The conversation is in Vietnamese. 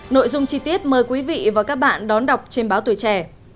nội dung chi tiết mời quý vị và các bạn đón đọc trên báo tuổi trẻ